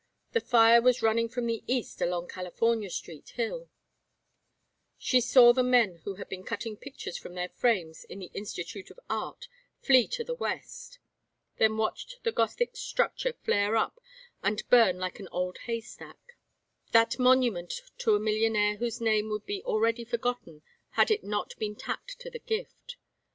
The fire was running from the east along California Street hill; she saw the men who had been cutting pictures from their frames in the Institute of Art flee to the west, then watched the Gothic structure flare up and burn like an old hay stack: that monument to a millionaire whose name would be already forgotten had it not been tacked to the gift.